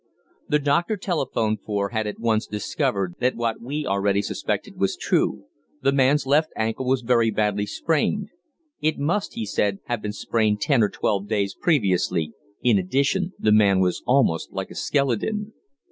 The doctor telephoned for had at once discovered that what we already suspected was true the man's left ankle was very badly sprained. It must, he said, have been sprained ten or twelve days previously. In addition, the man was almost like a skeleton.